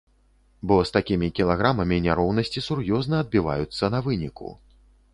Бо з такімі кілаграмамі няроўнасці сур'ёзна адбіваюцца на выніку.